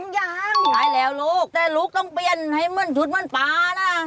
ยังได้แล้วลูกแต่ลูกต้องเปลี่ยนให้เหมือนชุดเหมือนปลานะ